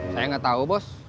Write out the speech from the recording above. saya gak tau bos